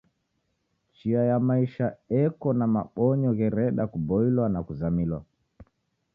Chia ya maisha eko na mabonyo ghereda kuboilwa na kuzamilwa.